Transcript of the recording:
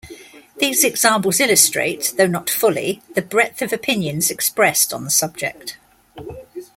These examples illustrate, though not fully, the breadth of opinions expressed on the subject.